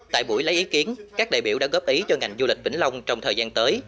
tại buổi lấy ý kiến các đại biểu đã góp ý cho ngành du lịch vĩnh long trong thời gian tới